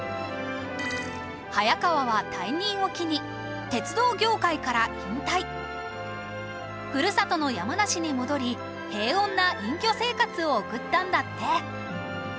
早川は退任を機に鉄道業界から引退ふるさとの山梨に戻り平穏な隠居生活を送ったんだって